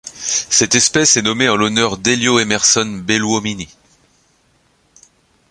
Cette espèce est nommée en l'honneur d'Helio Emerson Belluomini.